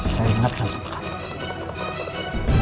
saya ingatkan semuanya